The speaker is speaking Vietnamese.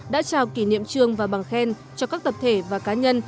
đã trao kỷ niệm trương và bằng khen cho các tập thể và cá nhân